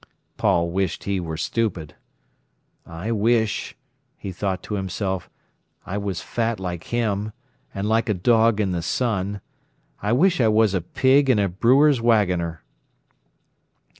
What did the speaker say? Paul wished he were stupid. "I wish," he thought to himself, "I was fat like him, and like a dog in the sun. I wish I was a pig and a brewer's waggoner."